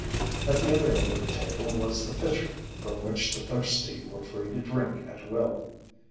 At the other end of the table was the pitcher, from which the thirsty were free to drink at will.